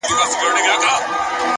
لوړ همت د خنډونو تر شا ګوري!.